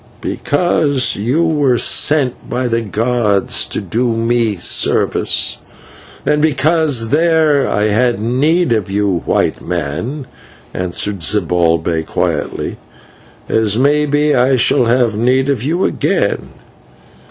"Because you were sent by the gods to do me service, and because there I had need of you, White Man," answered Zibalbay quietly, "as may be I shall have need of you again.